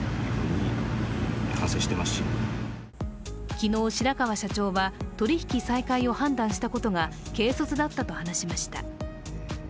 昨日、白川社長は取り引き再開を判断したことが軽率だったと話しました。